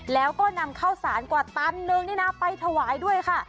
แล้วก็นำข้าวสารกว่าตันนึงนี่นะไปถวายด้วยค่ะ